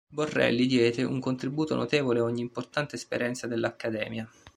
Borelli diede un contributo notevole a ogni importante esperienza dell'accademia.